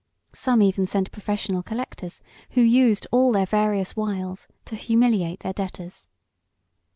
Some even sent professional collectors, who used all their various wiles to humiliate their debtors.